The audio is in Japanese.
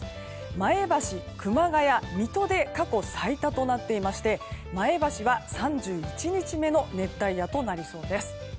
前橋、熊谷、水戸で過去最多となっていまして前橋は３１日目の熱帯夜となりそうです。